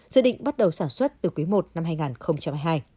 dự định bắt đầu sản xuất từ quý i năm hai nghìn hai mươi hai